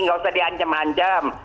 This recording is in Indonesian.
nggak usah di ancam ancam